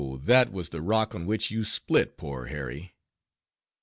that was the rock on which you split, poor Harry!